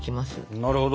なるほど。